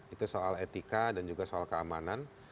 itu soal etika dan juga soal keamanan